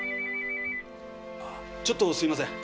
ちょっとすいません。